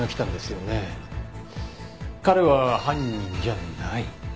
彼は犯人じゃない？